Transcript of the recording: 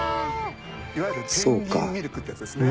いわゆるペンギンミルクってやつですね。